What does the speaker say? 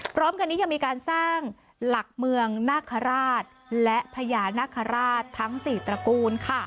พร้อมกันนี้ยังมีการสร้างหลักเมืองนาคาราชและพญานาคาราชทั้ง๔ตระกูล